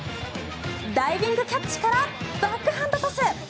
ダイビングキャッチからバックハンドトス。